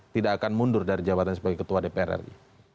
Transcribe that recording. tidak akan mundur dari jabatan sebagai ketua dpr ri